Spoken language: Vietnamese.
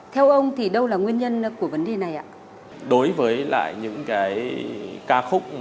theo ông thì đâu là nguyên nhân của vấn đề này ạ